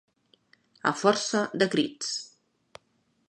A força de crits.